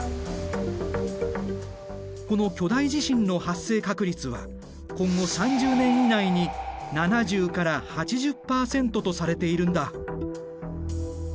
この巨大地震の発生確率は今後３０年以内に７０から８０％とされているんだ。